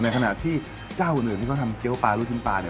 ขณะที่เจ้าอื่นที่เขาทำเกี้ยวปลาลูกชิ้นปลาเนี่ย